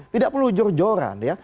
tidak perlu jor joran ya